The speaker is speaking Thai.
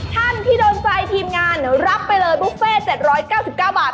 ท่านที่โดนใจทีมงานรับไปเลยบุฟเฟ่๗๙๙บาท